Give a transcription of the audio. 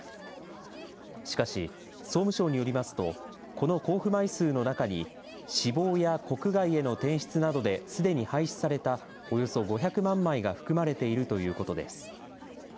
しかし、総務省によりますと、この交付枚数の中に、死亡や国外への転出などですでに廃止されたおよそ５００万枚が含まれているということです。